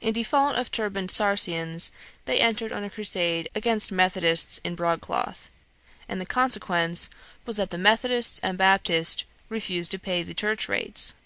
In default of turbaned Saracens, they entered on a crusade against Methodists in broadcloth; and the consequence was that the Methodists and Baptists refused to pay the church rates.